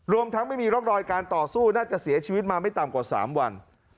ทั้งไม่มีร่องรอยการต่อสู้น่าจะเสียชีวิตมาไม่ต่ำกว่า๓วัน